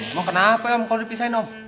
mau kenapa om kalau dipisahin om